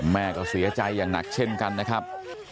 แม่ก็เสียใจอย่างหนักเช่นกันนะครับ